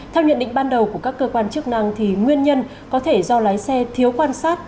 theo nhận định ban đầu của các cơ quan chức năng nguyên nhân có thể do lái xe thiếu quan sát